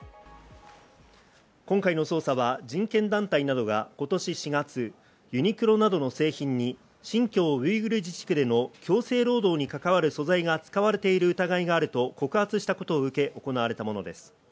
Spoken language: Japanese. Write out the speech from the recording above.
今回の捜査は人権団体などが今年４月、ユニクロなどの製品に新疆ウイグル自治区での強制労働に関わる素材が使われている疑いがあると告発したことを受け行われたものです。